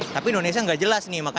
tapi indonesia nggak jelas nih